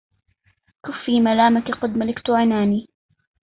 كفي ملامك قد ملكت عناني